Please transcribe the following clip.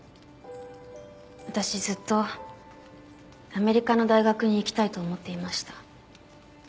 私ずっとアメリカの大学に行きたいと思っていました。